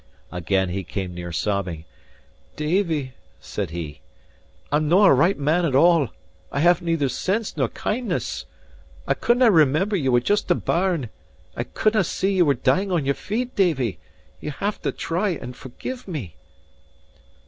Again he came near sobbing. "Davie," said he, "I'm no a right man at all; I have neither sense nor kindness; I could nae remember ye were just a bairn, I couldnae see ye were dying on your feet; Davie, ye'll have to try and forgive me."